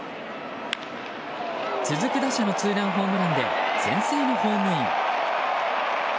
続く打者のツーランホームランで先制のホームイン。